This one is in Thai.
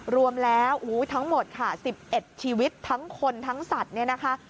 รวมแล้วทั้งหมดค่ะ๑๑ชีวิตทั้งคนทั้งสัตว์เนี่ยนะคะ